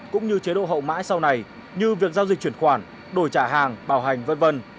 cũng như chế độ hậu mãi sau này như việc giao dịch chuyển khoản đổi trả hàng bảo hành v v